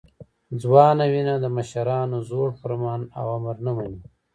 ځوانه وینه د مشرانو زوړ فرمان او امر نه مني.